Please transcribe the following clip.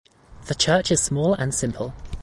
The church is small and simple.